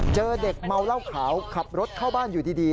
เจอเด็กเมาเหล้าขาวขับรถเข้าบ้านอยู่ดี